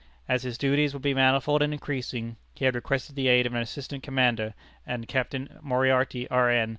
As his duties would be manifold and increasing, he had requested the aid of an assistant commander, and Captain Moriarty, R. N.